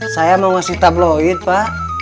saya mau ngasih tabloid pak